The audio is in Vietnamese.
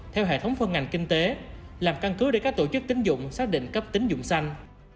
theo hệ thống phân ngành kinh tế làm căn cứ để các tổ chức tính dụng xác định cấp tính dụng xanh